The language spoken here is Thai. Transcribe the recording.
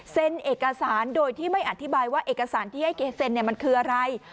เอกสารโดยที่ไม่อธิบายว่าเอกสารที่ให้แกเซ็นมันคืออะไร